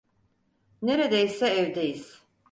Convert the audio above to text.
Neredeyse evdeyiz.